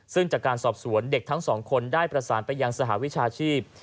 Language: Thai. ซึ่งจากการสอบสวนเด็กทั้งสองคนได้ประสานไปยังสหวิชาชีพ